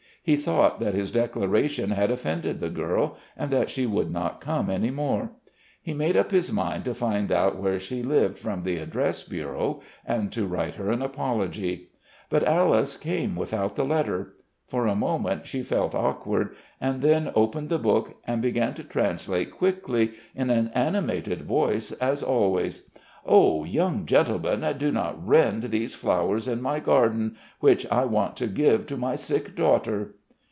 He thought that his declaration had offended the girl and that she would not come any more. He made up his mind to find out where she lived from the Address Bureau and to write her an apology. But Alice came without the letter. For a moment she felt awkward, and then opened the book and began to translate quickly, in an animated voice, as always: "'Oh, young gentleman, do not rend these flowers in my garden which I want to give to my sick daughter.'"